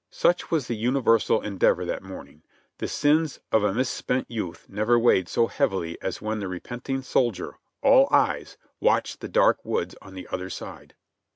Such was the universal endeavor that morning; the sins of a misspent youth never weighed so heavily as when the repenting soldier, all eyes, watched the dark woods on the other side.